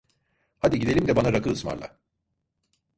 Hadi gidelim de bana rakı ısmarla!